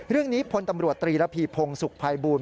เรื่องนี้พลตำรวจตรีระพีพงศุกร์ภัยบูรณ